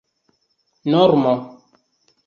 normo